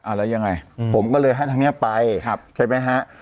แล้วยังไงผมก็เลยให้ทางนี้ไปครับใช่ไหมฮะ